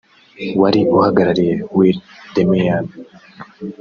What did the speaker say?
wari uhagarariye Willy Demeyer